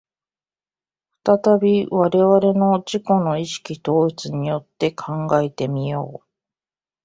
再び我々の自己の意識統一によって考えて見よう。